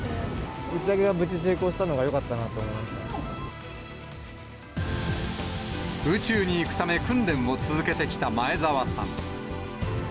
打ち上げが無事成功したのが宇宙に行くため、訓練を続けてきた前澤さん。